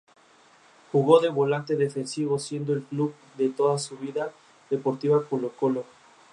Live dado que es una de las canciones más veces tocadas del grupo.